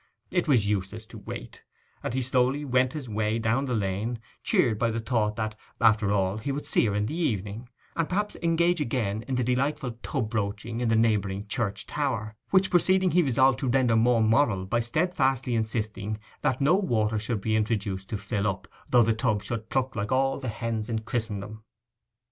It was useless to wait longer, and he slowly went his way down the lane, cheered by the thought that, after all, he would see her in the evening, and perhaps engage again in the delightful tub broaching in the neighbouring church tower, which proceeding he resolved to render more moral by steadfastly insisting that no water should be introduced to fill up, though the tub should cluck like all the hens in Christendom.